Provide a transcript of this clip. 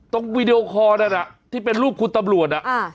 ตรงวิดีโอคอร์นั่นอ่ะที่เป็นรูปคุณตำรวจอ่ะอ่า